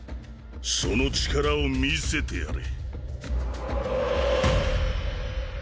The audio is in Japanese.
その力を見せてやれ。